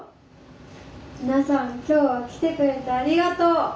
「皆さん今日は来てくれてありがとう！